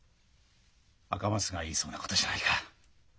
赤松が言いそうなことじゃないか。